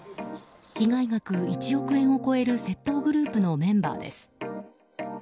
被害額１億円を超える窃盗グループのメンバーです。